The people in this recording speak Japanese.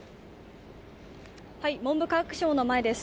文部科学省の前です